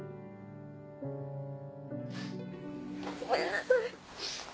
ごめんなさい。